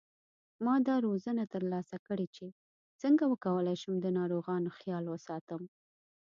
ما دا روزنه تر لاسه کړې چې څنګه وکولای شم د ناروغانو خیال وساتم